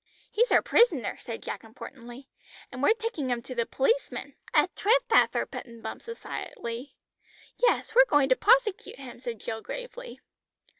"He's our prisoner," said Jack importantly, "and we're taking him to the policeman." "A trethpather," put in Bumps excitedly. "Yes, we're going to prosecute him," said Jill gravely.